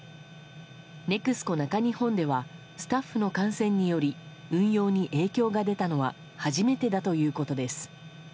ＮＥＸＣＯ中日本ではスタッフの感染により運用に影響が出たのは初めてだということです。